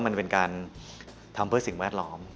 มันเป็นการทำเพื่อสิ่งแวดล้อม